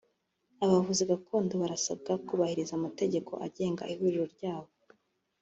Abavuzi gakondo barasabwa kubahiriza amategeko agenga ihuriro ryabo